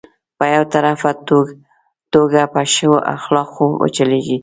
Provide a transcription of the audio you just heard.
په يو طرفه توګه په ښو اخلاقو وچلېږي.